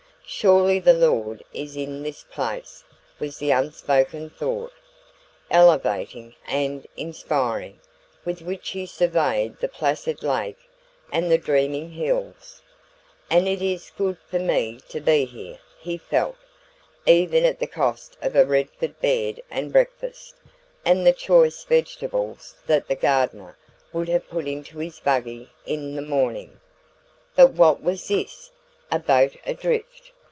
"Surely the Lord is in this place," was the unspoken thought, elevating and inspiring, with which he surveyed the placid lake and the dreaming hills; and "it is good for me to be here," he felt, even at the cost of a Redford bed and breakfast, and the choice vegetables that the gardener would have put into his buggy in the morning. But what was this? A boat adrift!